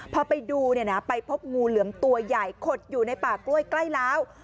พอไปดูไปพบงูเหลือมตัวใหญ่ขดอยู่ในป่ากล้วยใกล้ล้าว